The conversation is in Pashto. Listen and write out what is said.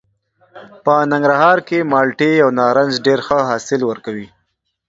په ننګرهار کې مالټې او نارنج ډېر ښه حاصل ورکوي.